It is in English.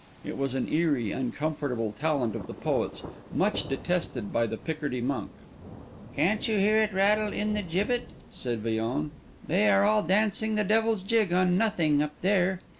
It was an eerie, uncomfortable talent of the poet's, much detested by the Picardy monk. "Can't you hear it rattle in the gibbet?" said Villon. "They are all dancing the devil's jig on nothing, up there.